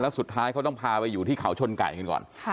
สุดท้ายเขาต้องพาไปอยู่ที่เขาชนไก่กันก่อน